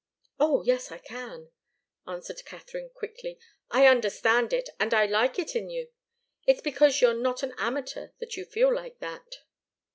"Oh yes, I can," answered Katharine, quickly. "I understand it, and I like it in you. It's because you're not an amateur that you feel like that."